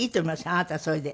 あなたはそれで。